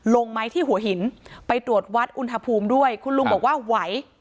ลงไหมที่หัวหินไปตรวจวัดอุณหภูมิด้วยคุณลุงบอกว่าไหว